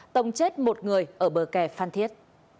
tông chết một người ở bờ kè phan thiết